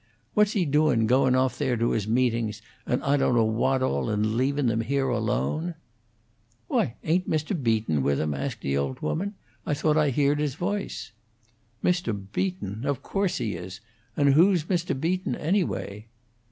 What's he doin' goin' off there to his meetings, and I don't know what all, an' leavin' them here alone?" "Why, ain't Mr. Beaton with 'em?" asked the old woman. "I thought I heared his voice." "Mr. Beaton! Of course he is! And who's Mr. Beaton, anyway?"